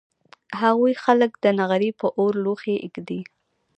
هغوی خلک د نغري په اور لوښي اېږدي